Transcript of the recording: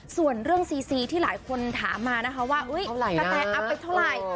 ส่วนเรื่องซีซีที่หลายคนถามมานะคะว่ากะแตอัพไปเท่าไหร่